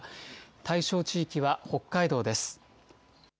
対象地域は北海道です。